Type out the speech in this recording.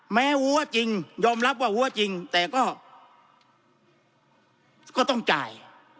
หัวจริงยอมรับว่าวัวจริงแต่ก็ต้องจ่าย